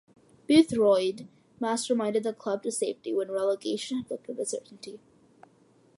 Boothroyd masterminded the club to safety when relegation had looked a certainty.